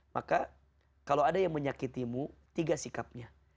maka kalau ada yang menyakitimu tiga sikapnya